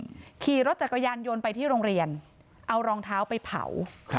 ขี่รถจักรยานยนต์ไปที่โรงเรียนเอารองเท้าไปเผาครับ